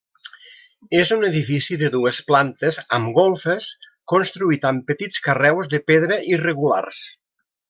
És un edifici de dues plantes amb golfes, construït amb petits carreus de pedra irregulars.